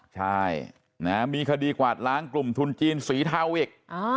ใช่มีคดีกวาดล้างกลุ่มทุนจีนสีเทาอีก